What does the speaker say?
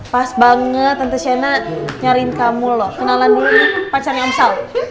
pas banget tante sienna nyariin kamu loh kenalan dulu pacarnya om sal